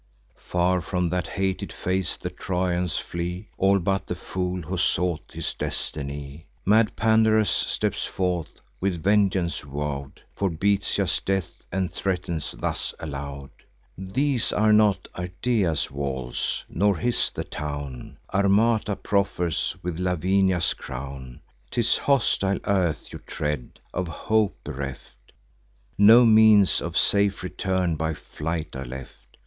Far from that hated face the Trojans fly, All but the fool who sought his destiny. Mad Pandarus steps forth, with vengeance vow'd For Bitias' death, and threatens thus aloud: "These are not Ardea's walls, nor this the town Amata proffers with Lavinia's crown: 'Tis hostile earth you tread. Of hope bereft, No means of safe return by flight are left."